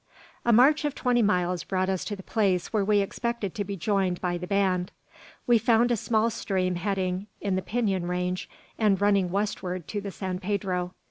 A march of twenty miles brought us to the place where we expected to be joined by the band. We found a small stream heading in the Pinon Range, and running westward to the San Pedro.